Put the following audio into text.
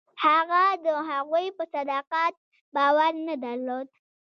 هغه د هغوی په صداقت باور نه درلود.